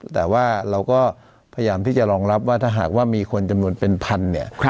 แต่ว่าเราก็พยายามที่จะรองรับว่าถ้าหากว่ามีคนจำนวนเป็นพันเนี่ย